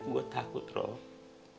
gue takut rok